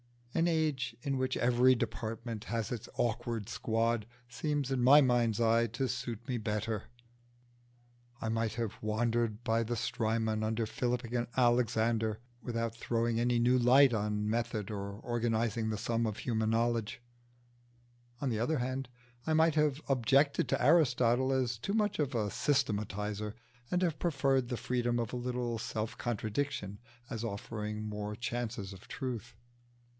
An age in which every department has its awkward squad seems in my mind's eye to suit me better. I might have wandered by the Strymon under Philip and Alexander without throwing any new light on method or organising the sum of human knowledge; on the other hand, I might have objected to Aristotle as too much of a systematiser, and have preferred the freedom of a little self contradiction as offering more chances of truth.